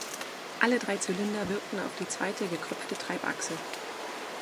Alle drei Zylinder wirkten auf die zweite, gekröpfte Treibachse.